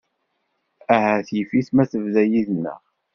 Ahat yif-it ma tedda yid-nneɣ.